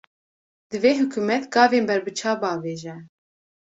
Divê hikûmet, gavên berbiçav bavêje